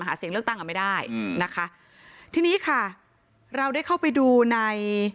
เสียงเลือกตั้งกันไม่ได้อืมนะคะทีนี้ค่ะเราได้เข้าไปดูใน